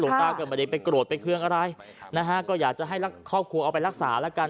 ตาก็ไม่ได้ไปโกรธไปเครื่องอะไรนะฮะก็อยากจะให้ครอบครัวเอาไปรักษาแล้วกัน